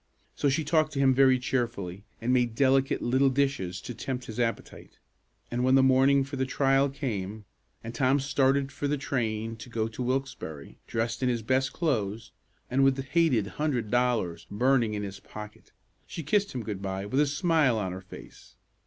So she talked to him very cheerfully, and made delicate little dishes to tempt his appetite, and when the morning for the trial came, and Tom started for the train to go to Wilkesbarre, dressed in his best clothes, and with the hated hundred dollars burning in his pocket, she kissed him good by with a smile on her face.